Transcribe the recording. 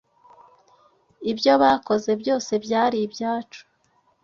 Ibyo bakoze byose byari ibyacu.